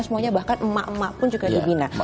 semuanya bahkan emak emak pun juga dibina